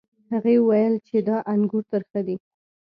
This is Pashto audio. هغې وویل چې دا انګور ترخه دي.